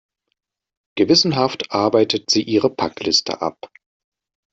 Gewissenhaft arbeitet sie ihre Packliste ab.